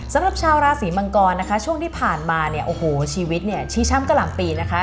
สำหรับชาวราศีมังกรนะคะช่วงที่ผ่านมาเนี่ยโอ้โหชีวิตเนี่ยชี้ช่ำกะหล่ำปีนะคะ